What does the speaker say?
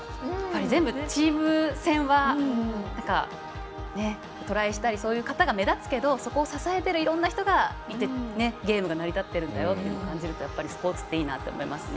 全部チーム戦はトライしたり、そういう方が目立つけど、そこを支えているいろんな人がいてゲームが成り立っているんだよというのを感じるとスポーツっていいなと思いますね。